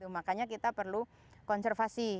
makanya kita perlu konservasi